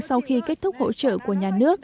sau khi kết thúc hỗ trợ của nhà nước